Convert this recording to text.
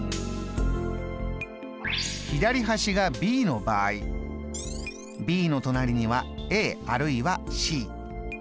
左端がＢの場合Ｂの隣にはＡあるいはＣ。